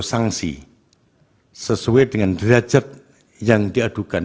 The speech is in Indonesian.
sanksi sesuai dengan derajat yang diadukan